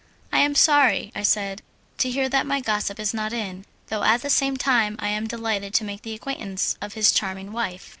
"I am sorry," I said, "to hear that my gossip is not in, though at the same time I am delighted to make the acquaintance of his charming wife."